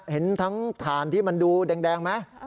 เห็นทั้งถ่านที่มันดูแดงไหม